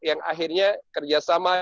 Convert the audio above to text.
yang akhirnya kerjasama